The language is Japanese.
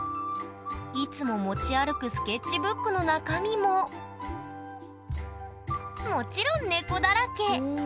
いつも持ち歩くスケッチブックの中身ももちろん猫だらけかわいいなあ。